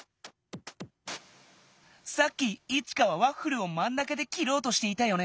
さっきイチカはワッフルをまん中できろうとしていたよね。